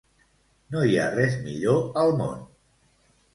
No hi ha res millor al món.